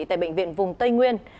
tại bệnh viện vùng tây nguyên